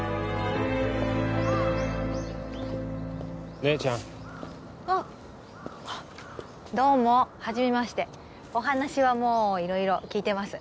姉ちゃんあっどうも初めましてお話はもう色々聞いてます